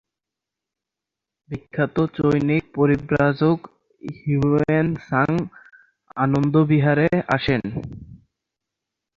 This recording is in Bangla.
বিখ্যাত চৈনিক পরিব্রাজক হিউয়েন সাং আনন্দ বিহারে আসেন।